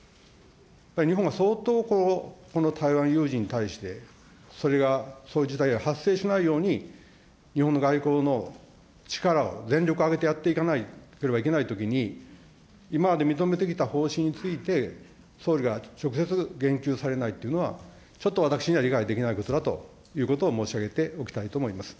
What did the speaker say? やっぱり日本は相当、この台湾有事に対して、それが、そういう事態が発生しないように、日本の外交の力を、全力を挙げてやっていかなければいけないときに、今まで認めてきた方針について、総理が直接言及されないっていうのは、ちょっと私には理解できないことだということを申し上げておきたいと思います。